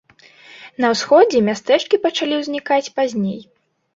На ўсходзе мястэчкі пачалі ўзнікаць пазней.